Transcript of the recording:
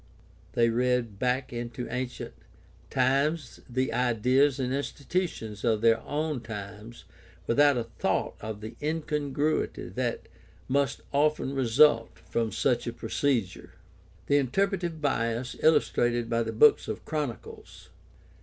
They read back into ancient times the ideas and institutions of their own times without 124 GUIDE TO STUDY OF CHRISTIAN RELIGION a thought of the incongruity that must often result from such a procedure. The interpretative bias illustrated by the Books of Chron icles.